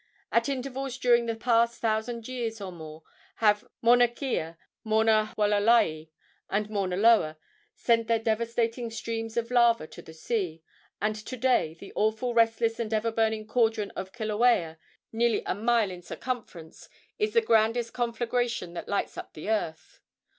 At intervals during the past thousand years or more have Mauna Kea, Mauna Hualalai and Mauna Loa sent their devastating streams of lava to the sea, and to day the awful, restless and ever burning caldron of Kilauea, nearly a mile in circumference, is the grandest conflagration that lights up the earth.